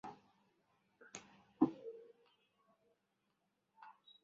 অন্যান্য ভারী কণা অপেক্ষা প্রোটন এবং নিউট্রন এমনটা বেশি করে ঘটিয়ে থাকে।